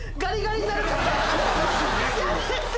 やめて。